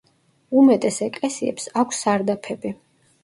უმეტეს ეკლესიებს აქვს სარდაფები.